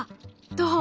どう？